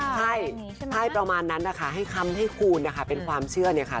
ใช่ประมาณนั้นนะคะให้คำขูลเป็นความเชื่อเนี่ยค่ะ